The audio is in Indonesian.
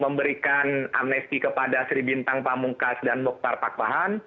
memberikan amnesti kepada sri bintang pamungkas dan mokhtar pakpahan